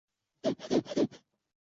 开皇改为万州。